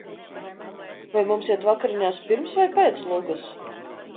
Vai mums iet vakariņās pirms vai pēc lugas?